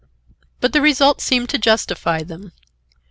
But the result seemed to justify them.